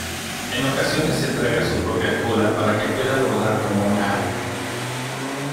En ocasiones se traga su propia cola para que pueda rodar como un aro.